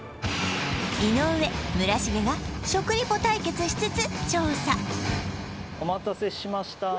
井上村重がしつつ調査お待たせしましたー